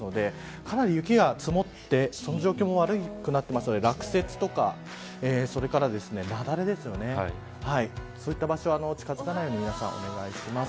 かなり雪が積もって状況も悪くなってるので落雪や雪崩そういった場所には近づかないようにお願いします。